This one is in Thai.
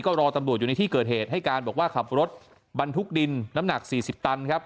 ก็รอตำรวจอยู่ในที่เกิดเหตุให้การบอกว่าขับรถบรรทุกดินน้ำหนัก๔๐ตันครับ